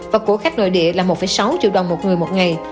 và của khách nội địa là một sáu triệu đồng một người một ngày